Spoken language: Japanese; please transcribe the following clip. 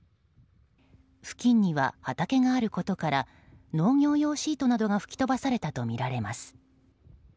付近には畑があることから農業用シートなどが吹き飛ばされたとみられます。